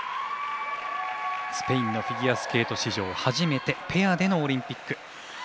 スペインのフィギュアスケート史上初めて、ペアでのオリンピック。